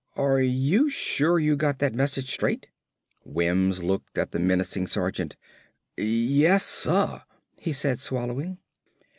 "Are you sure you got that message straight?" Wims looked at the menacing sergeant. "Yes, suh," he said, swallowing.